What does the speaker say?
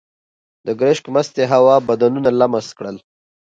د ګرشک مستې هوا بدنونه لمس کړل.